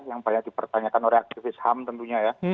yang banyak dipertanyakan oleh aktivis ham tentunya ya